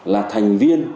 là thành viên